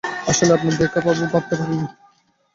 আসলেই আপনার দেখা পাবো ভাবতে পারিনি।